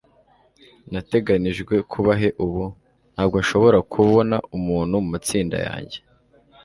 Nateganijwe kuba he ubu? Ntabwo nshobora kubona umuntu mumatsinda yanjye.